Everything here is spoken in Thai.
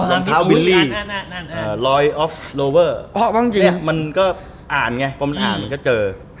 น้องเท้าบินลี่ลอยออฟโลเวอร์มันก็อ่านไงเพราะมันอ่านมันก็เจอ